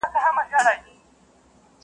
د عادل پاچا په نوم یې وو بللی٫